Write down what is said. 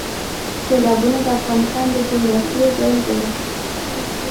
سیلابونه د افغانستان د جغرافیې بېلګه ده.